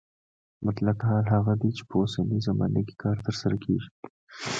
مطلق حال هغه دی چې په اوسنۍ زمانه کې کار ترسره کیږي.